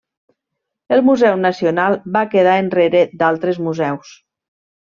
El Museu Nacional va quedar enrere d'altres museus.